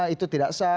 itu tidak sah